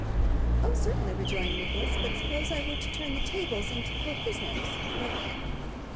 'Oh, certainly,' rejoined Nicholas; 'but suppose I were to turn the tables, and pull HIS nose, what then?